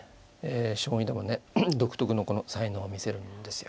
将棋でもね独特の才能を見せるんですよ。